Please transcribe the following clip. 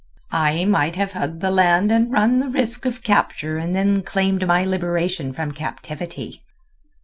"I might have hugged the land and run the risk of capture and then claimed my liberation from captivity."